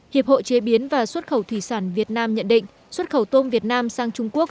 hiệp hội chế biến và xuất khẩu thủy sản việt nam nhận định xuất khẩu tôm việt nam sang trung quốc